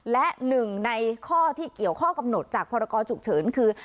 และหนึ่งในข้อที่เกี่ยวข้อกำหนดจากพรกรฉุกเฉินคือ